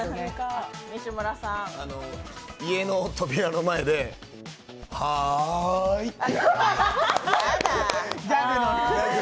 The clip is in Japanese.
家の扉の前ではーいって。